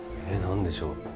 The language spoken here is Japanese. え何でしょう。